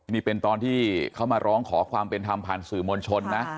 นี่เป็นตอนที่เขามาร้องขอความเป็นธรรมผ่านสื่อมวลชนนะ